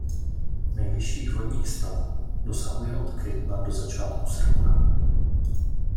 Nejvyšších vodních stavů dosahuje od května do začátku srpna.